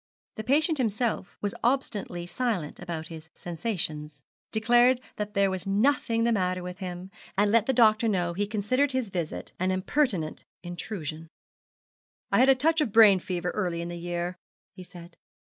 The patient himself was obstinately silent about his sensations, declared that there was nothing the matter with him, and let the doctor know he considered his visit an impertinent intrusion. 'I had a touch of brain fever early in the year,' he said.